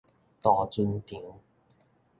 渡船場